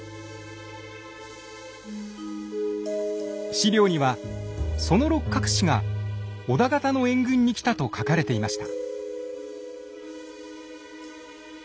史料にはその六角氏が織田方の援軍に来たと書かれていました。